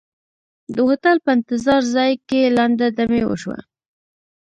د هوټل په انتظار ځای کې لنډه دمې وشوه.